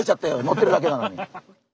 乗ってるだけなのに。